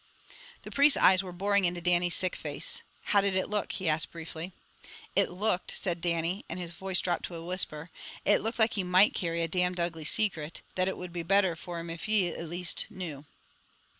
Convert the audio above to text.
The priest's eyes were boring into Dannie's sick face. "How did it look?" he asked briefly. "It looked," said Dannie, and his voice dropped to a whisper, "it looked like he might carry a damned ugly secret, that it would be better fra him if ye, at least, knew."